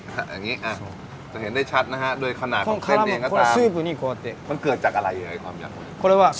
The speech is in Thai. เห็นได้ชัดนะโดยขนาดของเส้นเองจะตาม